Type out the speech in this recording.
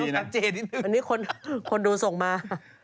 ชัดเจนนิดนึงอันนี้คนดูส่งมา